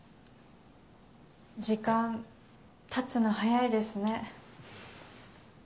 時間経つの早いですね。